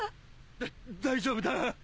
だ大丈夫だ。